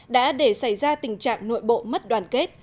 đã để xảy ra tình trạng nội bộ mất đoàn kết